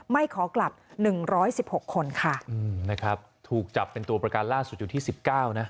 ไม่ขอกลับ๑๑๖คนค่ะถูกจับเป็นตัวประกันล่าสุดอยู่ที่๑๙นะ